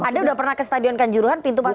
ada udah pernah ke stadion kan juruhan pintu masuk